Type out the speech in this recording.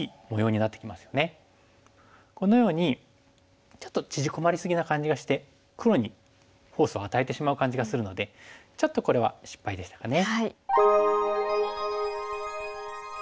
このようにちょっと縮こまり過ぎな感じがして黒にフォースを与えてしまう感じがするのでちょっとこれは失敗でしたかね。